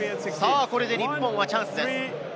これで日本はチャンスです。